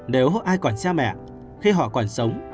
nếu ai còn cha mẹ khi họ còn sống